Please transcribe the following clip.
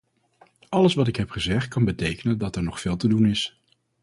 Alles wat ik heb gezegd kan betekenen dat er nog veel te doen is.